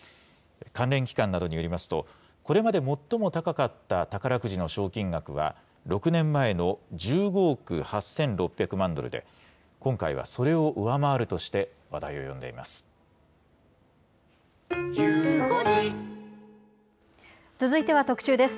関連機関などによりますと、これまで最も高かった宝くじの賞金額は、６年前の１５億８６００万ドルで、今回はそれを上回るとして話題を続いては特集です。